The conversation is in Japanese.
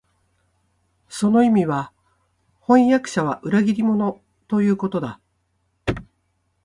その意味は、飜訳者は裏切り者、ということだ